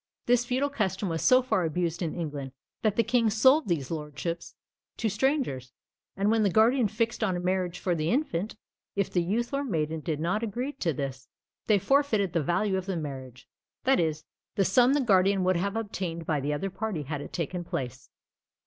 This feudal custom was so far abused in England, that the king sold these lordships to strangers; and when the guardian had fixed on a marriage for the infant, if the youth or maiden did not agree to this, they forfeited the value of the marriage; that is, the sum the guardian would have obtained by the other party had it taken place.